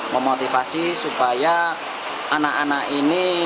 memotivasi supaya anak anak ini